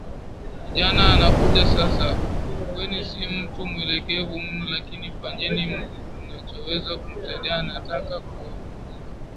kijana anakuja sasa kwenu Si mtu mwelekevu mno lakini fanyeni mnachoweza kumsaidia anataka kuwafukuza